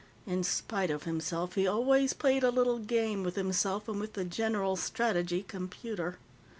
In spite of himself, he always played a little game with himself and with the General Strategy Computer.